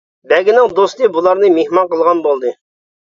بەگنىڭ دوستى بۇلارنى مېھمان قىلغان بولدى.